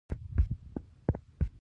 ښه خبرې کول د خرڅلاو مهارت دی.